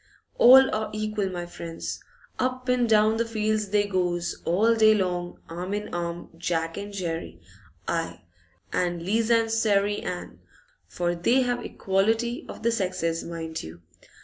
All are equal, my friends. Up an' down the fields they goes, all day long, arm in arm, Jack and Jerry, aye, and Liza an' Sairey Ann; for they have equality of the sexes, mind you!